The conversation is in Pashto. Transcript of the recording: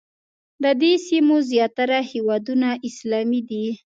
د دې سیمې زیاتره هېوادونه اسلامي دي.